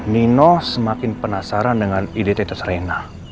nino semakin penasaran dengan ide tes rena